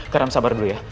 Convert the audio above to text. kak ram sabar dulu ya